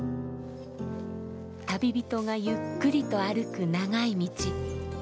旅人がゆっくりと歩く長い道。